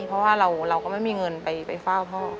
เพราะว่าเราก็ไม่มีเงินไปเฝ้าพ่อ